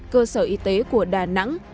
cơ sở y tế của đà nẵng